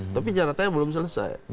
tapi caranya belum selesai